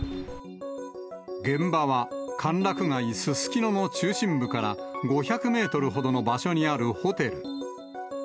現場は、歓楽街すすきのの中心部から５００メートルほどの場所にあるホテル。